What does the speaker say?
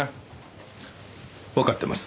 わかってます。